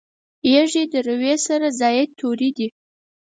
یږي د روي سره زاید توري دي.